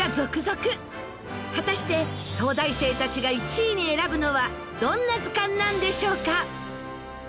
果たして東大生たちが１位に選ぶのはどんな図鑑なんでしょうか？